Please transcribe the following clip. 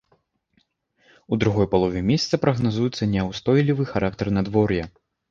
У другой палове месяца прагназуецца няўстойлівы характар надвор'я.